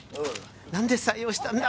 何で採用したんだ？